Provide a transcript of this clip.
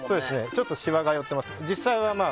ちょっとしわが寄ってます。